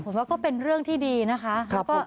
ผมว่าก็เป็นเรื่องที่ดีนะคะ